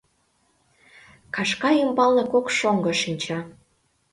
Кашка ӱмбалне кок шоҥго шинча.